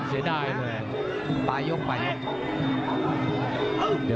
เศร้ายเด้อเลย